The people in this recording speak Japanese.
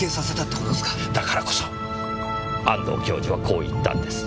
だからこそ安藤教授はこう言ったんです。